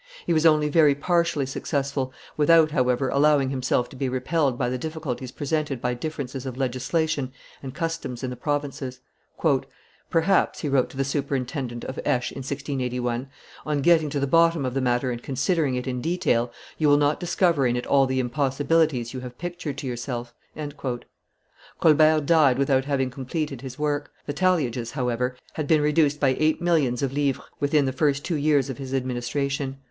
He was only very partially successful, without, however, allowing himself to be repelled by the difficulties presented by differences of legislation and customs in the provinces. "Perhaps," he wrote to the superintendent of Aix, in 1681, "on getting to the bottom of the matter and considering it in detail, you will not discover in it all the impossibilities you have pictured to yourself." Colbert died without having completed his work; the talliages, however, had been reduced by eight millions of livres within the first two years of his administration.